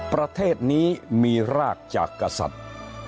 ประเทศนี้มีรากจากกษัตริย์